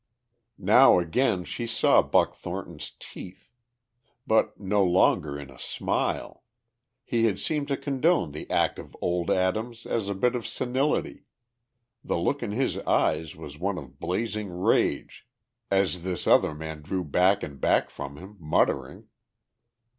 Now again she saw Buck Thornton's teeth. But no longer in a smile. He had seemed to condone the act of old Adams as a bit of senility; the look in his eyes was one of blazing rage as this other man drew back and back from him, muttering.